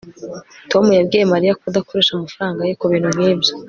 tom yabwiye mariya kudakoresha amafaranga ye kubintu nkibyo